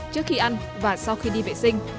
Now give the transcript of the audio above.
trước khi ăn và sau khi đi vệ sinh